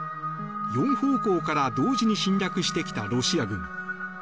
４方向から同時に侵略してきたロシア軍。